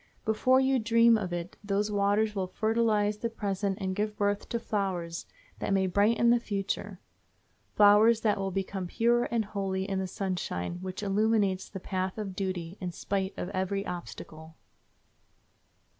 Before you dream of it those waters will fertilize the present and give birth to flowers that may brighten the future—flowers that will become pure and holy in the sunshine which illumes the path of duty, in spite of every obstacle.